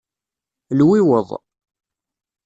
Lwiweḍ.